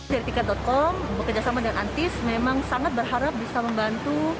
dari tiket com bekerjasama dengan antis memang sangat berharap bisa membantu